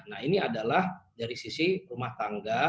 nah ini adalah dari sisi rumah tangga